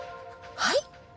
はい？